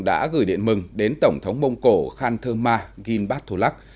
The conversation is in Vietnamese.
đã gửi điện mừng đến tổng thống mông cổ khan thơ ma ghinbatholak